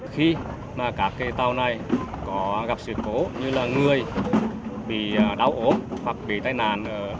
khi mà các cái tàu này có gặp sự cố như là người bị đau ốm hoặc bị tai nạn